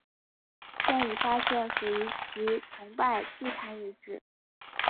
现已发现属于其的崇拜祭坛遗址。